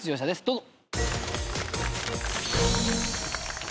どうぞ。